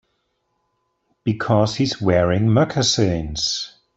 Because he's wearing moccasins.